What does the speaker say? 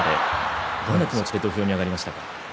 どんな気持ちで土俵に上がりましたか？